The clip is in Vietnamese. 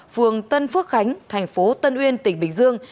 phường tân phước khánh thành phố tân uyên tỉnh bình dương